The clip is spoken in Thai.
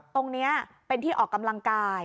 ตรงนี้เป็นที่ออกกำลังกาย